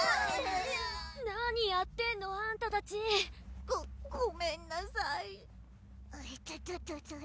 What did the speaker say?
何やってんの？あんたたちごごめんなさいあいたたたうん？